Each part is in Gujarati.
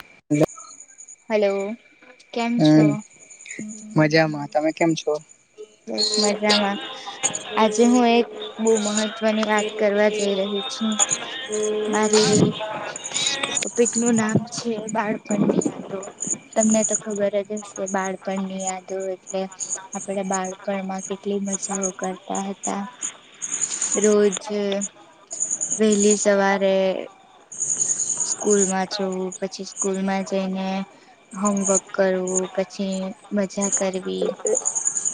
હ [unintelligible] હલો. કેમ છો હમ મજામાં તમે કેમ છો? બસ મજામાં આજે હું એક બહ મહત્વની વાત કરવા જઈ રહી છું. મારી ટોપિક નું નામ છે બાળપણની યાદો. તમને તો ખબર જ બાળપણ ની યાદો એટલે આપડે બાળ કેટલી મજાઓ કરતા હતા રોજ વહેલી સવારે સ્કૂલ માં જવું પછી સ્કૂલ માં જઈને હોમવર્ક કરવું પછી મજા કરવી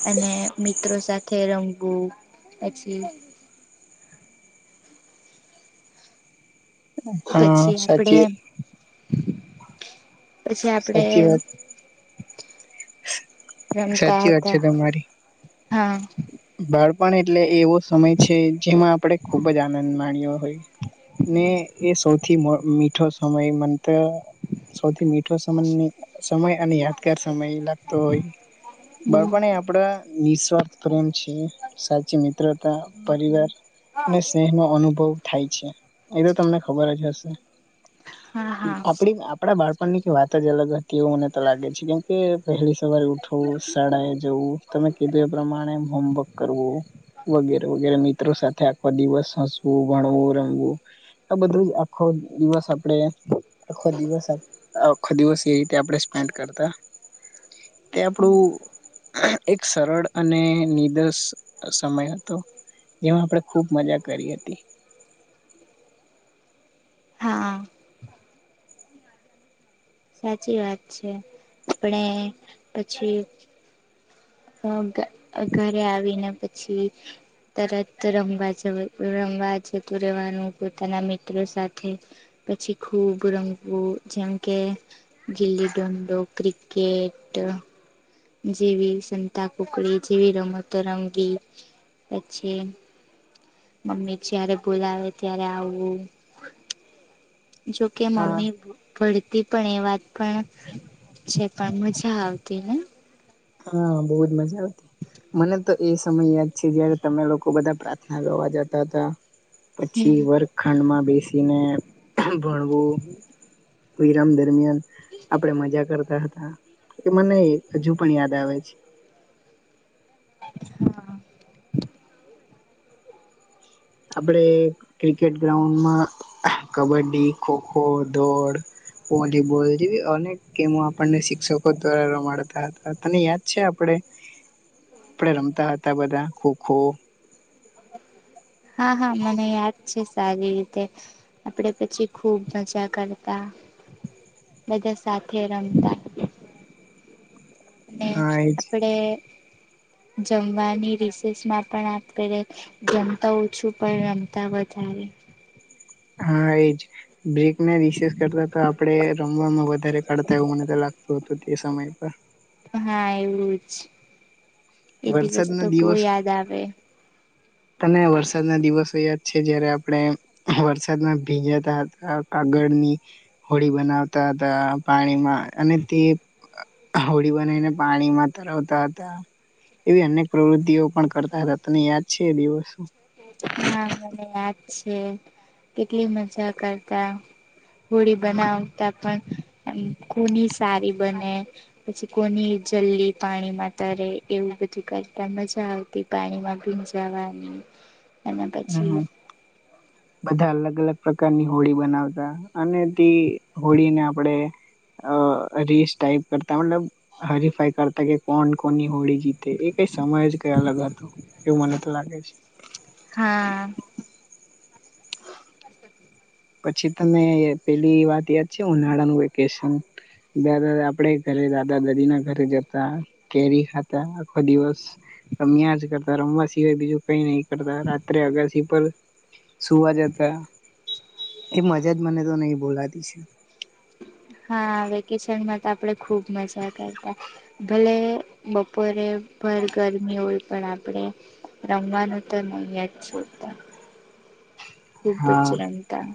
અને મિત્રો સાથે રમવું પછી હા પછી આપડે સાચી પછી આપડે સાચી વાત રમતા સાચી વાત છે હતા તમારી હા બાળપણ એટલે એવો સમય છે જેમાં આપણે ખુબ જ આનંદ માણ્યો હોય. ને એ સૌથી મીઠો સમય મ સૌથી મીઠો સમયની સમય અને યાદગાર સમય લાગતો હોય હમ બાળપણ આપડા નિઃસ્વાર્થ પ્રેમ છે સાચી મિત્રતા પરિવાર ને સ્નેહ નો અનુભવ થાય છે એ તો તમને ખબર જ હશે. હા હા આપણી આપણા બાળપણની વાત જ અલગ હતી એવું મને તો લાગે છે કેમ કે વહેલી સવારે ઉઠવું શાળાએ જવું તમે કીધું એ પ્રમાણે હોમવર્ક કરવું વગેરે વગેરે મિત્રો સાથે આખો દિવસ હસવું ભણવું રમવું આ બધું જ આખો દિવસ આપડે આખો દિવસ આખો દિવસ એ રીતે આપણે સ્પેન્ડ કરતા તે આપણું એક સરળ અને નિદસ સમય હતો જેમાં આપણેે ખુબ મજા કરી હતી. હા સાચી વાત છે આપણે પછી અ ઘરે આવીને પછી તરત રમવા જ રમવા જતું રહેવાનું પોતાના મિત્રો સાથે પછી ખૂબ રમવું જેમ કે, ગિલ્લી ડંડો, ક્રિકેટ જેવી સંતા કુકડી જેવી રમતો રમવી પછી મમ્મી જયારે બોલાવે ત્યારે આવવું જોકે હા મમ્મી પડતી પણ એ વાત પણ છે પણ મજા આવતી ને હા બહુ જ મજા આવતી મને તો એ સમય યાદ છે જયારે તમે લોકો બધા પ્રાર્થના કરવા જતા હતા પછી વર્ગ ખંડમાં બેસીને ભણવું વિરામ દરમિયાન આપડે મજા કરતા હતા એ મને હજુ પણ યાદ આવે છે. હા આપડે ક્રિકેટ ગ્રાઉન્ડમાં કબડ્ડી, ખોખો, દોડ વોલીબોલ જેવી અનેક ગેમો આપણને શિક્ષકો દ્વારા રમાડતા હતા તને યાદ છે આપણે [inaudible] આપડે રમતા હતા બધા ખોખો હા હા મને યાદ છે સારી રીતે આપડે પછી ખુબ મજા કરતા બધા સાથે રમતા હા અને એજ આપણેે જમવાની રિસેસ માં પણ આપડે જમતા ઓછું પણ રમતા વધારે હા એજ બેકને વિશેષ કરતા તો આપડે રમવામાં વધારે કાઢતા એવું મને તો લાગતું હતું એ સમય પર હા એવું જ એ દિવસ તો વરસાદના બો દિવસ યાદ આવે તને વરસાદ ના દિવસો યાદ છે જયારે આપણે વરસાદમાં ભીજાતા હતા કાગળની હોળી બનાવતા હતા પાણીમાં અને તે નાવડી બનાવીને પાણીમાં તરાવતા હતા. એવી અનેક પ્રવૃતિઓ પણ કરતા હતા તને યાદ છે એ દિવસો હા મને યાદ છે કેટલી મજા કરતા હોડી બનાવતા પણ કોની સારી બને પછી કોની જલ્દી પાણીમાં તરે એવું બધું કરતા મજા આવતી પાણીમાં ભીજાવાની અને પછી હમ બધા અલગ અલગ પ્રકારની હોળી બનાવતા અને તે હોળીને આપણેે અ રીસ ટાાઈપ કરતા મતલબ હરીફાઈ કરતા કે કોણ કોની હોળી જીતે એ કઈ સમય જ કઈ અલગ હતો એવું મને લાગે છે. હા પછી તમે પેલી વાત યાદ છે ઉનાળાનું વેકેશન દાદા આપડે ઘરે દાદા દાદી ના ઘરે જતા કેરી ખાતા આખો દિવસ રમ્યા જ કરતા રમવા સિવાય બીજું કઈ નહી કરતા રાત્રે અગાસી પર સુવા જતા એ મજા જ મને તો નહી ભૂલાતી છે. હા વેકેશનમાં તો આપણેે ખુબ મજા કરતા ભલે બપોરે ભર ગરમી હોય પણ આપણે રમવાનું તો નહી જ છોડતા ખૂબ જ હા રમતા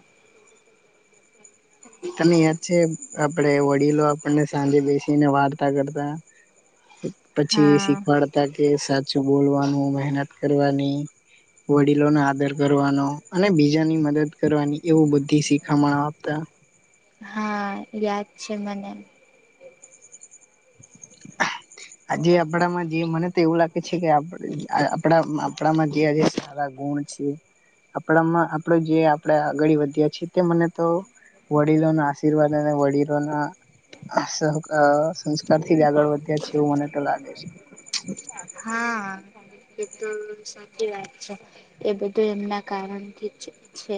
તને યાદ છે આપડે વડીલો આપણને સાંજે બેસીને વાર્તા કરતા પછી એ હા શીખવાડતા કે સાચું બોલવાનું મહેનત કરવાની વડીલો નો આદર કરવાનો અને બીજાની મદદ કરવાની એવું બુદ્ધિ શિખામણ આપ તા હા યાદ છે મને [inaudible] આજે આપણામાં જે મને તો એવું લાગે છે કે આપણા આપણામાં જે આ સારા ગુણ આપણામાં આપડો જે આપણે આગળ વધ્યા છીએ તે મને તો વડીલોના આશીર્વાદ અને વડીલોના [unintelligible] થી આગળ વધ્યા છે એવું મને તો લાગે છે. હા. એ તો સાચી વાત છે એ બધું એમના કારણથી જ છે.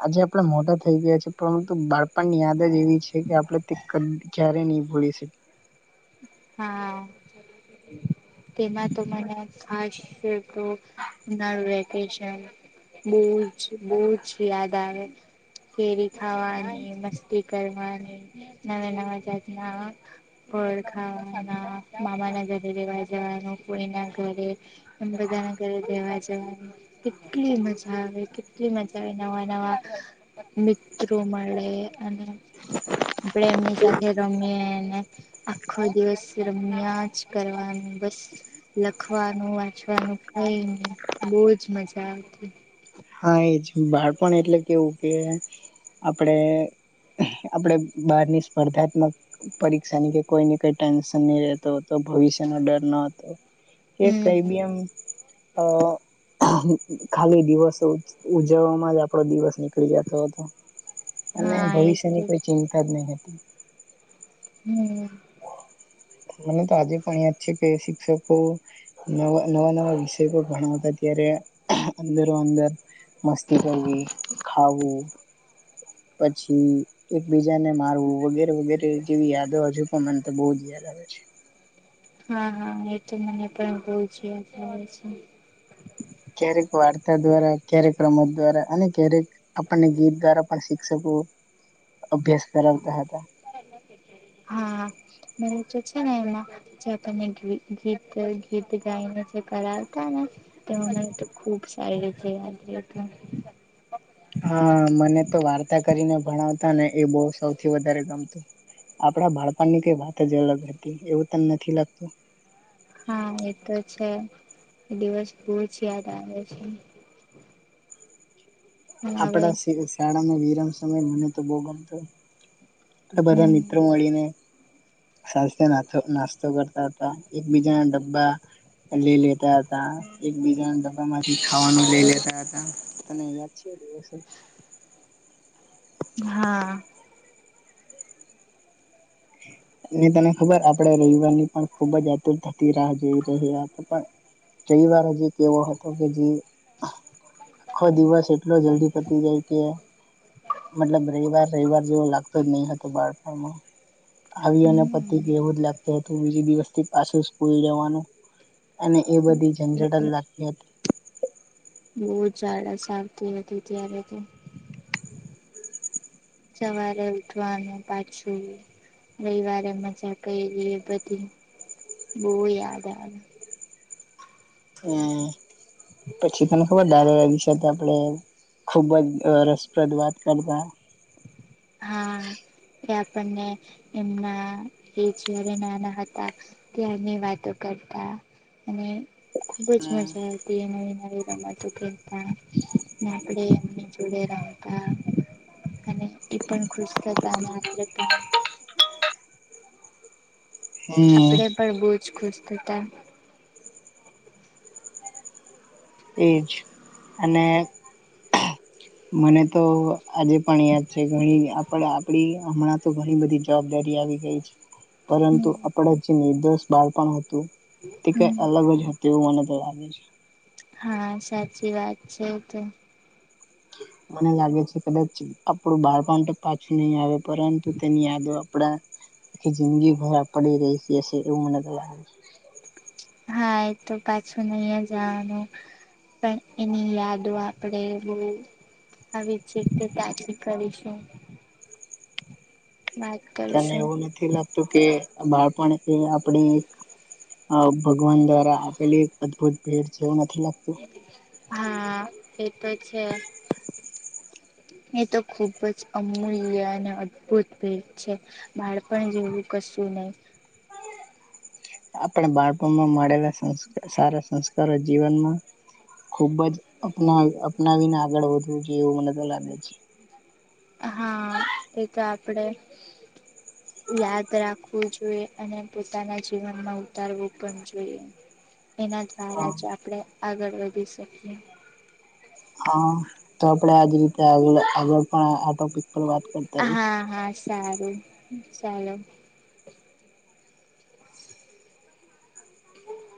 આજે આપણે મોટા થઈ ગયા છે પરંતુ બાળપણ યાદ જ એવી છે કે આપડે તે જ્યારે નહી ભૂલી શકીએ. હા તેમાં તો મને ખાસ તો ઉનાળુ વેકેશન બોજ બોજ યાદ આવે. કેરી ખાવાની મસ્તી કરવાની નવા નવા જાતના ફળખાવાના મામા ના ઘરે રેવા જવાનું ફોઈના ઘરે આમ બધા ના ઘરે દેવા જવાની કેટલી મજા આવે કેટલી મજા આવે નવા નવા મિત્રો મળે અને આપણેે એમની સાથે રમીને આખો દિવસ રમ્યા જ કરવાનું બસ લખવાનું વાંચવાનું કઈ નહી બહજ મજા આવતી હા એજ બાળપણ એટલે કેવું કે આપડે આપણે બહારની સ્પર્ધાત્મક પરીક્ષાની કે કોઈને કંઈ ટેન્શન નહીં રહેતો તો ભવિષ્યનો ડર ન હતો કે કઈ હમ બી એમ અ ખાલી દિવસ તો ઉજવવામાં જ આપડો દિવસ નીકળી જતો હતો અને હા એ તો ભવિષ્યની કોઈ ચિંતા જ નહી હતી હમ્મ મને તો આજે પણ યાદ છે કે શિક્ષકો નવા નવા વિષય પણ ભણાવતા ત્યારે અંદરો અંદર મસ્તી કરવી ખાવું પછી એકબીજાને મારવું વગેરે વગેરે જેવી યાદો હજુ પણ મને તો બહુ જ યાદ આવે છે હા હા એ તો મને પણ બહજ યાદ આવે છે ક્યારેક વાર્તા દ્વારા ક્યારેક રમત દ્વારા અને ક્યારેક આપણને ગીત દ્વારા પણ શિક્ષકો અભ્યાસ કરાવતા હતા હા મ તો છે ને એમાં જે આપને ગીત ગીત ગાઈને જે કરાવતા ને તે તો ખૂબ સારી રીતે યાદ રેતુ હા મને તો વાર્તા કરીને ભણાવતા ને એ બહ સૌથી વધારે ગમતું આપડા ભડપાણની કઈ વાત જ અલગ હતી એવું તને નથી લાગતું હા એતો છે દિવસ બહુજ યાદ આવે છે હવે આપડા શાળાને વિરામ સમય મને તો બહુ ગમતું એ બધા મિત્રો હમ મળીને સાજ નાસ્તો નાસ્તો કરતા હતા એકબીજા ના ડબ્બા લઈ લેતા એકબીજા ડબ્બામાંથી ખાવાનું લઈ લેતા હતા તને યાદ છે એ દિવસો હા ની તમે ખબર આપડણે રવિવાર ની પણ ખુબ જ આતુર થતી રાહ જઈ રહ્યા હતા પણ રવિવાર હજી કેવો હતો કે જે આખો દિવસ એટલો જલ્દી પતી જાય કે મતલબ રવિવાર રવિવાર જેવો લાગતો જ નહી હતો બાળપણમાં આવી અને પતિ હમ ગયું એવું જ લાગતું હતું બીજ દિવસ થી પાછું સ્કૂલ જવાનું અને એ બધી જંઝટન લાગતી હતી બહુ જ ઝડા અશાંતિ હતી ત્યારે તો સવારે ઉઠવાનું પાછું રવિવારે મજા કરી એ બધી બહ યાદ આવે હમ્મ પછી તને ખબર [unintelligible] તત આપણે ખૂબ જ રસપ્રદ વાતો કરતા હા એ આપણને એમના કેચ નાના હતા ત્યાંની વાતો કરતા અને ખુબ જ મજા નવી નવી રમતો કતા આપણે એમની જોડે રમતા અને એ પણ ખુશ થતા હતા આપણે પણ હમ આપણે પણ બહુ જ ખુશ થતા એજ અને મને તો આજે પણ યાદ છે ઘણી આપ આપડી હમણાં તો ઘણી બધી જવાબદારી આવી ગઈ છે. પરંતુ હમ આપણા જે નિર્દોષ બાળપણ હતું તે હમ કઈ અલગ જ હ તેવું મને તો લાગે છે. હા સાચી વાત છે તો મને લાગે છે કદાચ આપડું બાળપણ પાછું નહીં આવે પરંતુ તેની યાદો આપડા આખી જિંદગી ભરા પડી રહી જશે એવું મને લાગે હા એ તો પાછું નહી જ આવાનું પણ એની યાદો આપડે બ હવે છે તે ત્યાંથી કરીશું. [inaudible] તને એવું નથી લાગતું કે બાળપણ એ આપડી ભગવાન દ્વારા આપેલી એક અદભુત ભેટ જેવું નથી લાગત હા એ તો છે. એ તો ખુબ જ અમૂલ્ય અને અદ્ભુત ભેટ છે. બાળપણ જેવું કશું નહિ. આપણા બાળપણમાં મળેલા સં સારા સંસ્કારો જીવનમાં ખૂબ જ અપનાવી અપનાવીને આગળ વધવું જોઈએ એવું મને તો લાગે છે. હા એ તો આપડે યાદ રાખવું જોઈએ અને પોતાના જીવનમાં ઉતારવું પણ જોઈએ. એના દ્વારા જ આપણે આગળ વધી શકીએ. હા તો આપડે આજ રીતે આગળ પણ આ ટોપિક પર વાત કરતા રહીશ. હા હા સારું ચાલો. [inaudible]